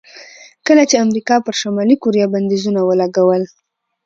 کله چې امریکا پر شلي کوریا بندیزونه ولګول.